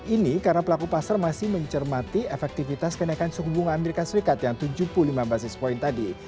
ini karena pelaku pasar masih mencermati efektivitas kenaikan suku bunga amerika serikat yang tujuh puluh lima basis point tadi